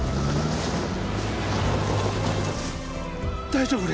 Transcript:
・大丈夫！？